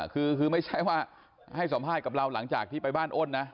คือไม่ใช่ว่าให้สัมภาษณ์กับเราหลังจากที่ไปบ้านอ้นนะ